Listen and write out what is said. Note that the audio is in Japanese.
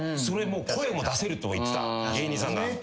それも声も出せるとも言ってた芸人さんが。